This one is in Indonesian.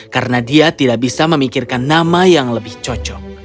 karena dia tidak bisa memikirkan nama yang lebih cocok